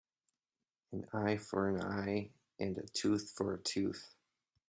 An eye for an eye and a tooth for a tooth.